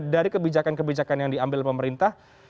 dari kebijakan kebijakan yang diambil pemerintah